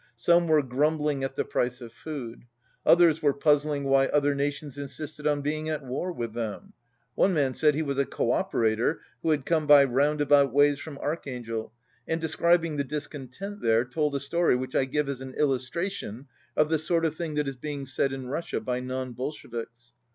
Some were grumbling at the price of food. Others were puzzling why other nations insisted on being at war with them. One man said he was a co operator who had come by roundabout ways from Archangel, and describ ing the discontent there, told a story which I give as an illustration of the sort of thing that is being said in Russia by non Bolsheviks.